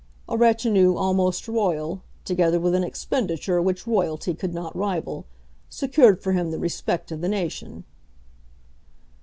A retinue almost Royal, together with an expenditure which Royalty could not rival, secured for him the respect of the nation."